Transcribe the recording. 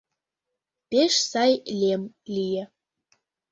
Пеш сай лем лие.